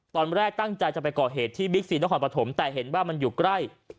ตอนแรกตั้งใจจะไปก่อเหตุที่บิ๊กซีนครปฐมแต่เห็นว่ามันอยู่ใกล้